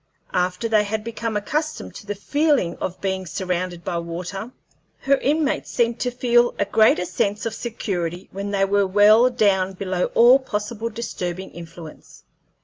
After they had become accustomed to the feeling of being surrounded by water, her inmates seemed to feel a greater sense of security when they were well down below all possible disturbing influence.